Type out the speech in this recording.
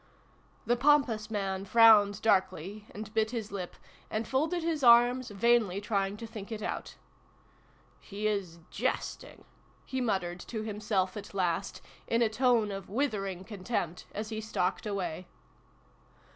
" The pompous man frowned darkly, and bit his lip, and folded his arms, vainly trying to think it out. "He is jesting!" he muttered to himself at last, in a tone of withering con tempt, as he stalked away.